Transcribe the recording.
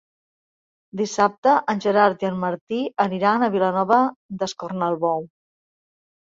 Dissabte en Gerard i en Martí aniran a Vilanova d'Escornalbou.